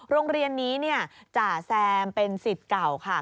โรงเรียนนี้จ่าแซมเป็นสิทธิ์เก่าค่ะ